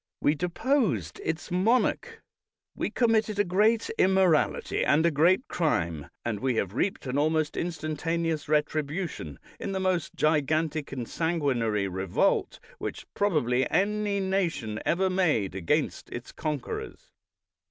We deposed its monarch; we committed a great im morality and a great crime, and we have reaped an almost instantaneous retribution in the most gigantic and sanguinary revolt which probably any nation ever made against its conquerors.